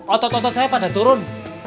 otot otot saya pada turun